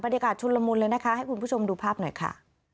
ชุนละมุนเลยนะคะให้คุณผู้ชมดูภาพหน่อยค่ะ